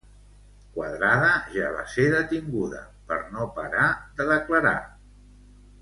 Quadrada ja va ser detinguda per no parar de declarar.